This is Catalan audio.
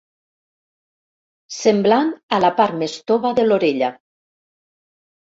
Semblant a la part més tova de l'orella.